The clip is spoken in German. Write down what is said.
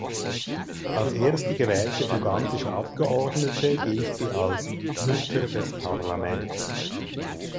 Als erste gewählte ugandische Abgeordnete gilt sie als „Mutter des Parlaments“.